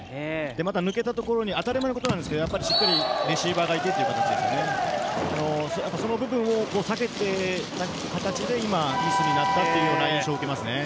また、抜けたところに当たり前のことですがしっかりレシーバーがその部分を避けてという形で、今、ミスになったという印象を受けます。